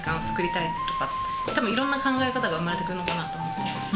たぶんいろんな考え方が生まれてくるのかなと。